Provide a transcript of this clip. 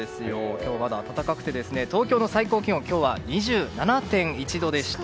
今日はまだ暖かくて東京の最高気温今日は２７．１度でした。